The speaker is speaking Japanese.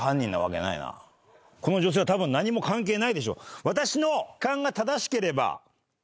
この女性はたぶん何も関係ないでしょう。